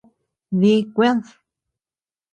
Dí kúëd.